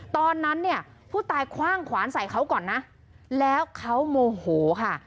ตอนนั้นเนี่ยผู้ตายคว่างขวานใส่เขาก่อนนะแล้วเขาโมโหค่ะ